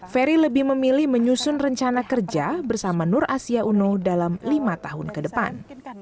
ferry lebih memilih menyusun rencana kerja bersama nur asia uno dalam lima tahun ke depan